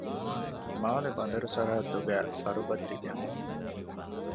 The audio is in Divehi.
މާލެ ބަނދަރު ސަރަހައްދުގައި ފަރުބައްތި ޖެހުން